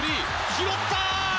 拾った！